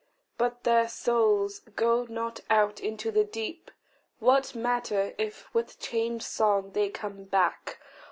But their souls go not out into the deep. What matter if with changed song they come back?